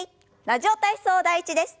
「ラジオ体操第１」です。